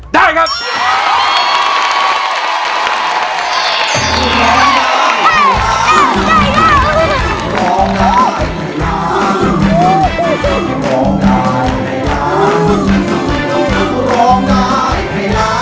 ได้ครับ